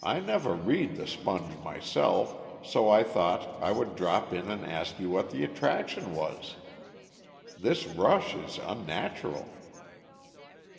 I never read the Sponge myself, so I thought I would drop in and ask you what the attraction was. This rush is unnatural.